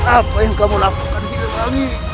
apa yang kamu lakukan sirewangi